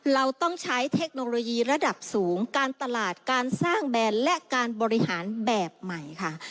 เราต้องใช้เทคโนโลยีระดับสูงการตลาดการสร้างแบรนด์และการบริหารแบบใหม่ค่ะ